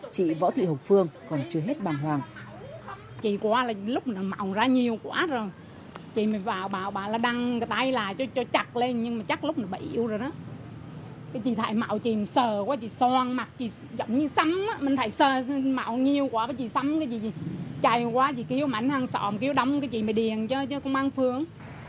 chị võ thị hục phương còn chưa hết băng hoàng